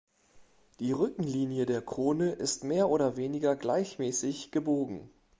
Die Rückenlinie der Krone ist mehr oder weniger gleichmäßig gebogen.